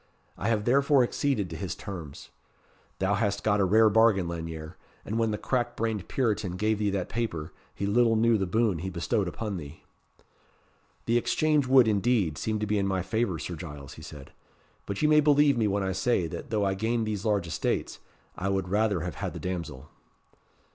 I have therefore acceded to his terms. Thou hast got a rare bargain, Lanyere; and when the crack brained Puritan gave thee that paper, he little knew the boon he bestowed upon thee." "The exchange would, indeed, seem to be in my favour, Sir Giles," he said; "but you may believe me when I say, that though I gain these large estates, I would rather have had the damsel."